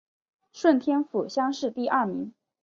顺天府乡试第二名。